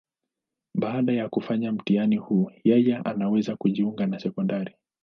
Baada ya kufanya mtihani huu, yeye anaweza kujiunga na sekondari.